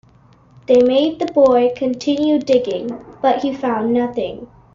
They made the boy continue digging, but he found nothing.